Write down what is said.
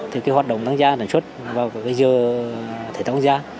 thì hoạt động tăng gia sản xuất vào thời gian tăng gia